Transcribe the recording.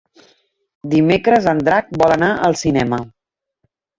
Dimecres en Drac vol anar al cinema.